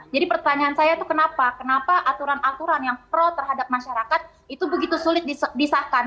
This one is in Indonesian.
pertanyaan saya itu kenapa kenapa aturan aturan yang pro terhadap masyarakat itu begitu sulit disahkan